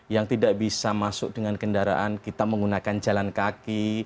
yang tidak bisa masuk dengan kendaraan kita menggunakan jalan kaki